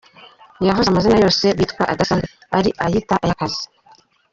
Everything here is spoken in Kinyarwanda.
Yavuze amazina yose bitwa adasanzwe, ari ayita ay’Akazi.